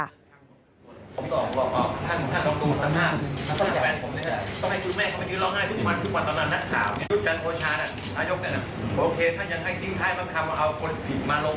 อันนี้เป็นบฏเรียนนะทำของเราเอง